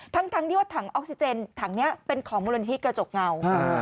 ทั้งที่ว่าถังออกซิเจนถังนี้เป็นของมูลนิธิกระจกเงา